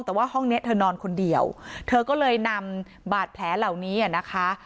แต่ว่าห้องนี้เธอนอนคนเดียวเธอก็เลยนำบาดแผลเหล่านี้อ่ะนะคะ